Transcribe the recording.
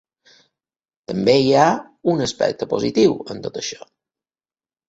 També hi ha un aspecte positiu en tot això.